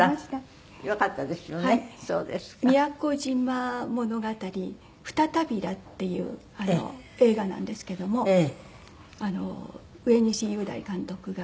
『宮古島物語ふたたヴィラ』っていう映画なんですけども上西雄大監督が。